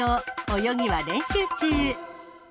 泳ぎは練習中。